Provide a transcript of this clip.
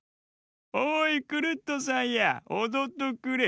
「おいクルットさんやおどっとくれ」。